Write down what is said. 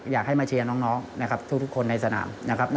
อยากให้มาเชียร์น้องนะครับทุกคนในสนามนะครับ